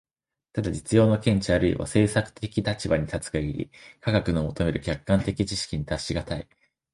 ただ実用の見地あるいは政策的立場に立つ限り、科学の求める客観的知識に達し難い。